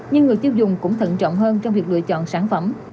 nhưng người tiêu dùng cũng thận trọng hơn trong việc lựa chọn sản phẩm